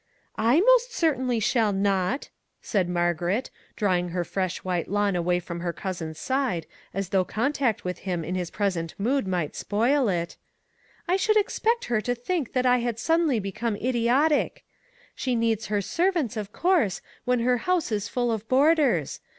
" I most certainly shall not," said Margaret, drawing her fresh white lawn away from her cousin's side as though contact with him in his present mood might soil it ; "I should expect her to think that I had suddenly become idiotic. She needs her servants, of course, when her house is full of boarders.